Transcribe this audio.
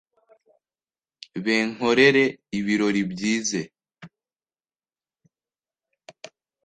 benkorere ibirori byize